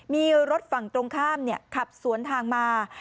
มีรถฝั่งตรงข้ามขับสวนทางมา